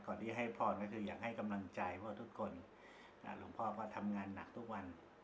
ที่ให้พรก็คืออยากให้กำลังใจพ่อทุกคนหลวงพ่อก็ทำงานหนักทุกวัน